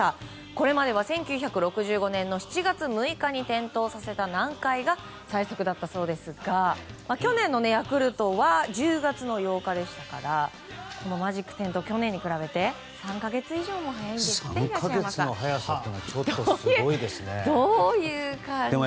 これまでは１９６５年の７月６日に点灯させた南海が最速だったそうですが去年のヤクルトは１０月の８日でしたからこのマジック点灯は去年に比べて３か月以上も早いんですね。